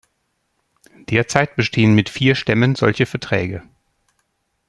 Derzeit bestehen mit vier Stämmen solche Verträge.